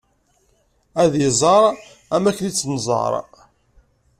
Ad iẓer am akken i tt-nẓer.